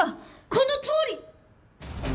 このとおり！